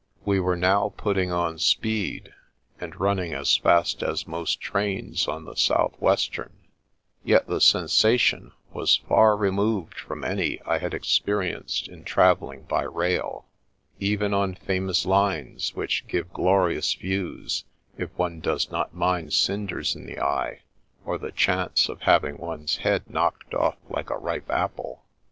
We were now putting on speed, and running as fast as most trains on the South Western, yet the sensation was far removed from any I had experienced in travelling by rail, even on famous lines, which g^ve glorious views if one does not mind cinders in the eye or the chance of having one's head knocked off like a ripe apple.